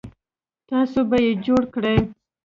تاسو به یې جوړ کړئ